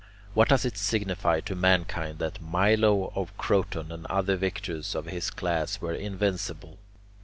What does it signify to mankind that Milo of Croton and other victors of his class were invincible?